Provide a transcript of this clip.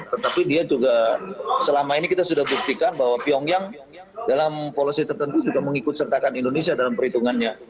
tetapi dia juga selama ini kita sudah buktikan bahwa pyongyang dalam policy tertentu juga mengikut sertakan indonesia dalam perhitungannya